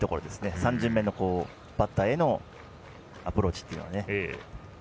３巡目のバッターへのアプローチというのは。